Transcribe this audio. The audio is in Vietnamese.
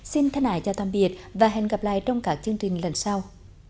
xin thân ái chào tạm biệt và hẹn gặp lại trong các chương trình lần sau